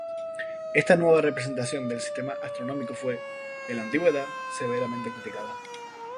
Esta nueva representación del sistema astronómico fue, en la Antigüedad, severamente criticada.